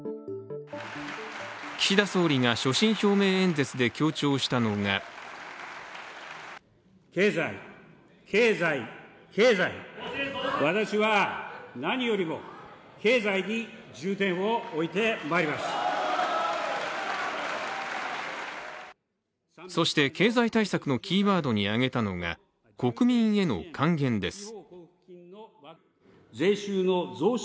岸田総理が所信表明演説で強調したのがそして、経済対策のキーワードに挙げたのが国民への還元です。